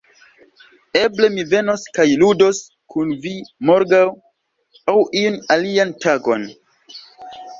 Eble mi venos kaj ludos kun vi morgaŭ aŭ iun alian tagon.